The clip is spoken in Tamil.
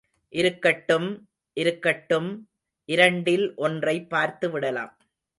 இருக்கட்டும்... இருக்கட்டும்... இரண்டில் ஒன்றை பார்த்துவிடலாம்.